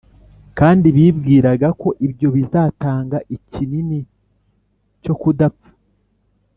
kandi bibwiraga ko ibyo bizatanga ikinini cyo kudapfa.